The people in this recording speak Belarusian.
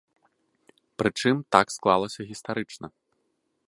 Прычым так склалася гістарычна.